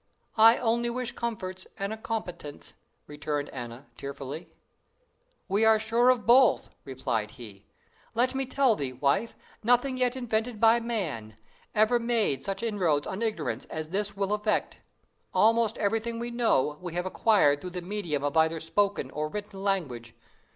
"I only wish comforts and a competence," returned Anna tearfully. "We are sure of both," replied he, "Let me tell thee, wife, nothing yet invented by man, ever made such inroads on ignorance as this will effect. Almost everything we know, we have acquired through the medium of either spoken or written language.